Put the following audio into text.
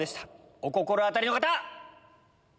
お心当たりの方！